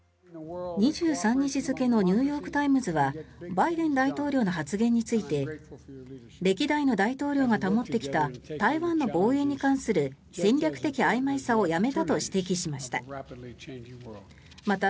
２３日付のニューヨーク・タイムズはバイデン大統領の発言について歴代の大統領が保ってきた台湾の防衛に関する戦略的あいまいさをやめたと指摘しました。